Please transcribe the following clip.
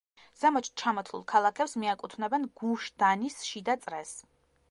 ზემოთ ჩამოთვლილ ქალაქებს მიაკუთვნებენ გუშ-დანის შიდა წრეს.